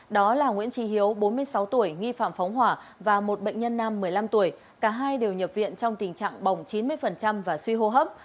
đó là nguyễn trí hiếu bốn mươi sáu tuổi nghi phạm phóng hỏa và một bệnh nhân nam một mươi năm tuổi cả hai đều nhập viện trong tình trạng bỏng chín mươi và suy hô hấp